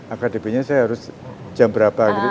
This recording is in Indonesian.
akadepenya saya harus jam berapa gitu